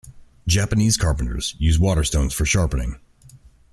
Japanese carpenters use waterstones for sharpening.